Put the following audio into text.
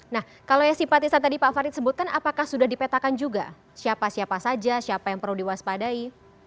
nah kalau yang simpatisan tadi pak farid sebutkan apakah sudah dipetakan juga siapa siapa saja siapa yang perlu diwaspadai